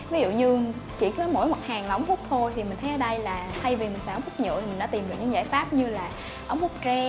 ví dụ như chỉ có mỗi một hàng là ống hút thôi thì mình thấy ở đây là thay vì mình xài ống hút nhựa thì mình đã tìm được những giải pháp như là ống hút tre